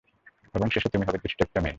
এবং শেষে, তুমি হবে দুষ্টু একটা মেয়ে।